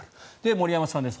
森山さんです